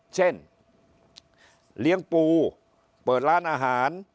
เช่นเลี้ยงปูเปิดร้านอาหาร